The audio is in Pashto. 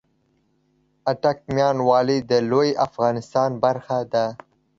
آټک ، ميان والي د لويې افغانستان برخه دې